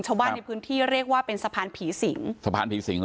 ชาวบ้านในพื้นที่เรียกว่าเป็นสะพานผีสิงสะพานผีสิงเห